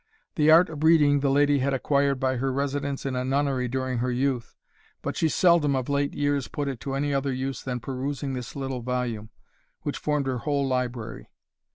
The art of reading the lady had acquired by her residence in a nunnery during her youth, but she seldom, of late years, put it to any other use than perusing this little volume, which formed her whole library.